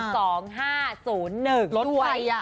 รถใครอ่ะ